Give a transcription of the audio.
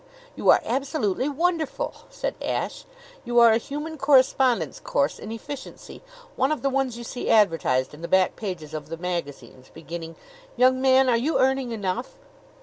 "You are absolutely wonderful!" said Ashe. "You are a human correspondence course in efficiency, one of the ones you see advertised in the back pages of the magazines, beginning, 'Young man, are you earning enough?'